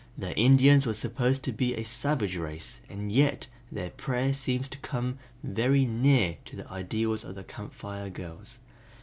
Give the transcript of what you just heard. The Indians were supposed to be a savage race and yet their prayer seems to come very near to the ideals of the Camp Fire girls.